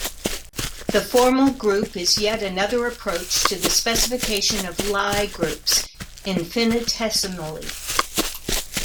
The formal group is yet another approach to the specification of Lie groups, infinitesimally.